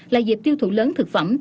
là dịp tiêu thụ lớn thực phẩm